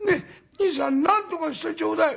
兄さんなんとかしてちょうだい」。